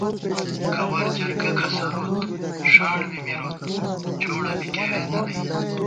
گوَر جرگہ کھسَروت، ݭاڑ بی مِروت جوڑہ بی کېرېتہ نئ